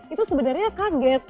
itu sebenarnya kaget